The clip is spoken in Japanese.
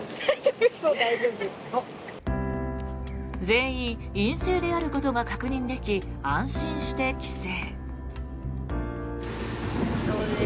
全員陰性であることが確認でき安心して帰省。